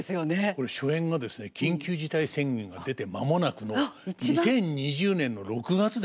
これ初演がですね緊急事態宣言が出て間もなくの２０２０年の６月ですから。